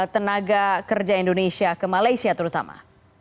tenaga kerja indonesia ke malaysia terutama